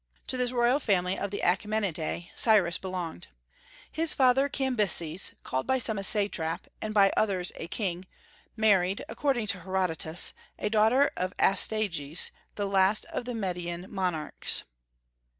To this royal family of the Achaemenidae Cyrus belonged. His father Cambyses, called by some a satrap and by others a king, married, according to Herodotus, a daughter of Astyages, the last of the Median monarchs.